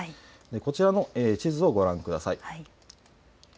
こちらの地図をご覧ください。